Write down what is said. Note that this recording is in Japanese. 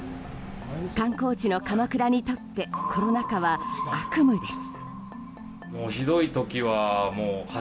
観光地の鎌倉にとってコロナ禍は悪夢です。